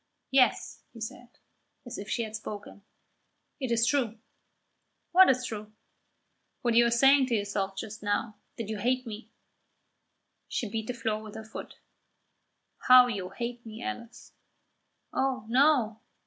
"Yes," he said, as if she had spoken, "it is true." "What is true?" "What you are saying to yourself just now that you hate me." She beat the floor with her foot. "How you hate me, Alice!" "Oh, no."